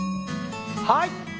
はい！